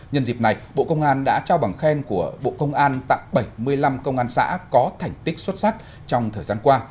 nhân dịp này bộ công an đã trao bằng khen của bộ công an tặng bảy mươi năm công an xã có thành tích xuất sắc trong thời gian qua